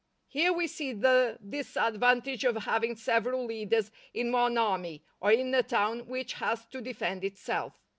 Here we see the disadvantage of having several leaders in one army or in a town which has to defend itself.